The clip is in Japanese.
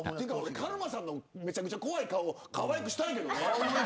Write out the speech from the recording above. カルマさんのめちゃくちゃ怖い顔かわいくしたいけどね。